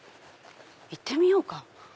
行ってみようか。